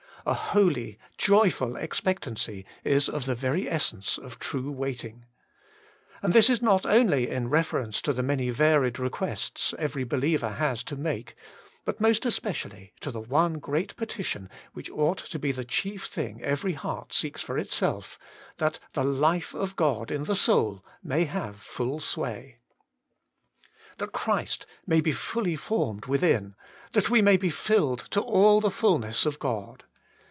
A holy, joyful expectancy is of the very essence of true waiting. And this not only in reference to the many varied requests every believer has to make, but most especially to the one great petition which ought to be the chief thing every heart seeks for itself — that the Thb Life of GrOD in the soul may have full sway. That 124 WAITING ON GODI Christ may be fully formed within, and that we may be filled to all the fulness of God.